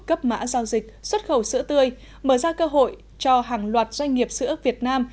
cấp mã giao dịch xuất khẩu sữa tươi mở ra cơ hội cho hàng loạt doanh nghiệp sữa việt nam